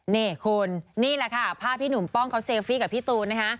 นี่คุณนี่แหละค่ะภาพที่หนุ่มป้องเขาเซลฟี่กับพี่ตูนนะคะ